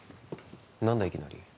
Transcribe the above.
何だいきなり？